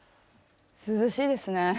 涼しいですね。